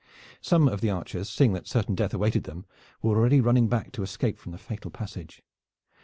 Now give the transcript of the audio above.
Some of the archers, seeing that certain death awaited them, were already running back to escape from the fatal passage.